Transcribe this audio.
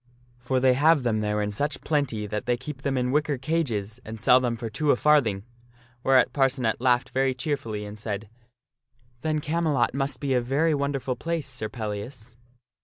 For they have them there in such plenty that they keep them in wicker cages, and sell them two for a farthing." Whereat Parcenet laughed very cheerfully, and said, " Then Camelot must be a very wonderful place, Sir Pellias."